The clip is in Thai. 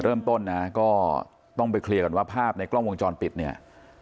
เริ่มต้นนะก็ต้องไปเคลียร์ก่อนว่าภาพในกล้องวงจรปิดเนี่ย